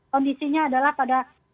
kondisinya adalah pada